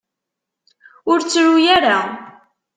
Ur ttru ara.